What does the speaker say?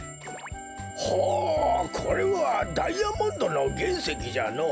ほうこれはダイヤモンドのげんせきじゃな。